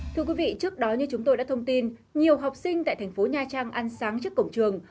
thưa quý vị trước đó như chúng tôi đã thông tin nhiều học sinh tại thành phố nha trang ăn sáng trước cổng trường